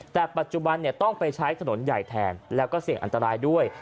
แต่ปัจจุบันต้องไปใช้ถนนใหญ่แทนแล้วก็เสี่ยงอันตรายด้วย